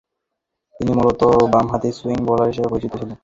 তিনি মূলতঃ বামহাতি সুইং বোলার হিসেবে পরিচিত ছিলেন।